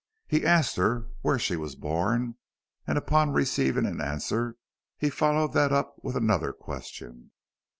He asked her where she was born, and upon receiving an answer he followed that up with another question.